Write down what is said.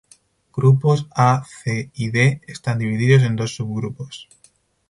Grupos A, C y D están divididos en dos subgrupos.